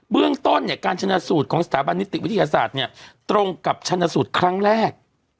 เรื่องต้นเนี่ยการชนะสูตรของสถาบันนิติวิทยาศาสตร์เนี่ยตรงกับชนสูตรครั้งแรก